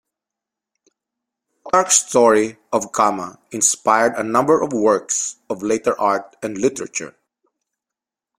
Plutarch's story of Camma inspired a number of works of later art and literature.